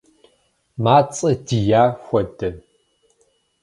Мацӏэ дия хуэдэ.